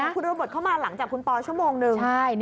เออคุณ๕๐๐เขามาหลังจากคุณปอร์ชั่วโมงนึง